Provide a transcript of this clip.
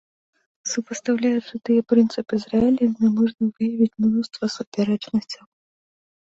Супастаўляючы тыя прынцыпы з рэаліямі, можна лёгка выявіць мноства супярэчнасцяў.